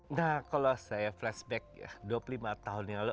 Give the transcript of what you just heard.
nah kalau saya flashback dua puluh lima tahun yang lalu